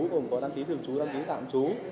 cũng có đăng ký thường chú đăng ký tạm chú